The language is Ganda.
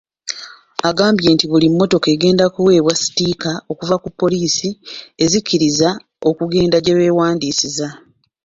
Agambye nti buli mmotoka egenda kuweebwa sitiika okuva ku poliisi ezikkiriza okugenda gye beewandiisiza.